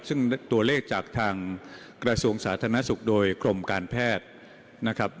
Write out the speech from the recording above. ซึ่งตัวเลขจากทางกระทรวงสาธารณสุขโดยกรมการแพทย์นะครับ